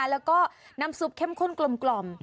แล้วก็น้ำซุปเข้มข้นกลม